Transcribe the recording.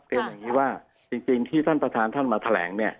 เรียนอย่างนี้ว่าจริงที่ท่านประธานท่านมาแถลงเนี่ย